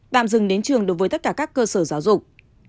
tạm dừng đến trường đối với tất cả các cơ sở giáo dục